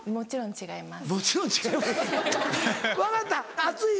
「違います」